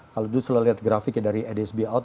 kalau dulu setelah lihat grafiknya dari edsb out